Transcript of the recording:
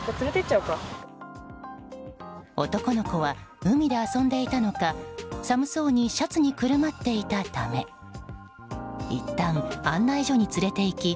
男の子は海で遊んでいたのか寒そうにシャツにくるまっていたためいったん案内所に連れていき